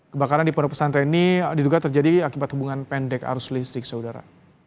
kebakaran di pondok pesantren ini diduga terjadi akibat hubungan pendek arus listrik saudara